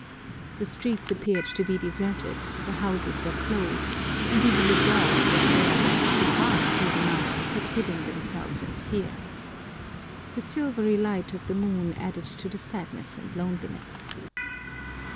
The streets appeared to be deserted, the houses were closed, and even the dogs that were wont to bark through the night had hidden themselves in fear. The silvery light of the moon added to the sadness and loneliness.